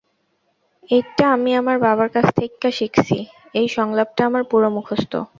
এইট্যা আমি আমার বাবার কাছ থেইক্যা শিখছি—এই সংলাপটা আমার পুরো মুখস্থ।